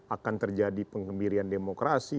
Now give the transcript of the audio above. akan terjadi penggembirian demokrasi